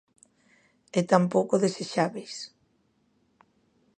E tampouco desexábeis.